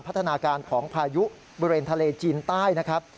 พัฒนาการของพายุบริเวณทะเลจีนใต้นะครับ